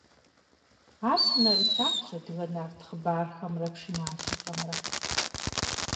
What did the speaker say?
Ар щынэрылъагъущ адыгэ нарт хъыбархэмрэ пшыналъэхэмрэ.